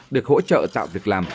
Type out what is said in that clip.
được hỗ trợ tạo việc làm